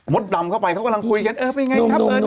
ดำเข้าไปเขากำลังคุยกันเออเป็นไงครับ